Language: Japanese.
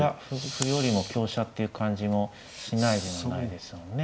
歩よりも香車っていう感じもしないではないですよね。